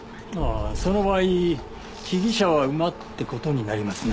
その場合被疑者は馬って事になりますね。